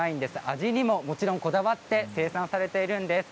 味にも、もちろんこだわって生産されているんです。